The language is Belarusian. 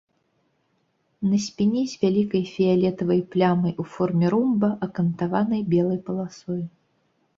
На спіне з вялікай фіялетавай плямай у форме ромба, акантаванай белай паласой.